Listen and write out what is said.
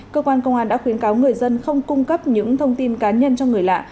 cơ quan công an đã khuyến cáo người dân không cung cấp những thông tin cá nhân cho người lạ